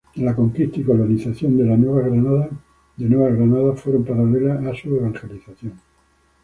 La Conquista y la colonización de la Nueva Granada fueron paralelas a la evangelización.